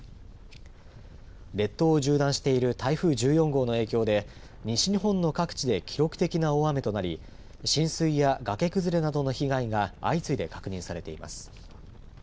列島を縦断している台風１４号の影響で西日本の各地で記録的な大雨となり浸水や崖崩れなどの被害が相次いで確認されています。